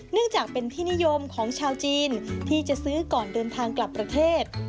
จากเป็นที่นิยมของชาวจีนที่จะซื้อก่อนเดินทางกลับประเทศ